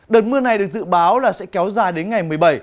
đợt mưa này được dự báo là sẽ kéo dài đến ngày một mươi bảy